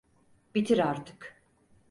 Bitir artık.